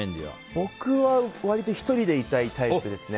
僕は、割と１人で痛いタイプですね。